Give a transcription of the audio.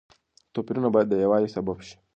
توپيرونه بايد د يووالي سبب شي.